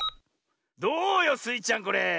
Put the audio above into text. どうよスイちゃんこれ。